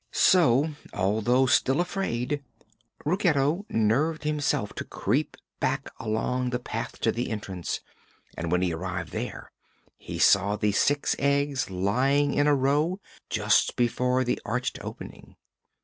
So, although still afraid, Ruggedo nerved himself to creep back along the path to the entrance, and when he arrived there he saw the six eggs lying in a row just before the arched opening.